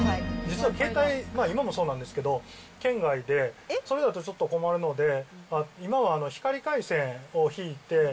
実は携帯、今もそうなんですけど、圏外で、それだとちょっと困るので、今は光回線を引いて。